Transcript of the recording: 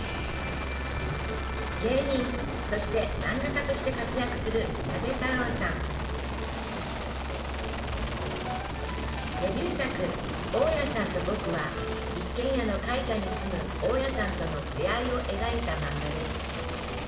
芸人そして漫画家として活躍するデビュー作「大家さんと僕」は一軒家の階下に住む大家さんとの触れ合いを描いた漫画です。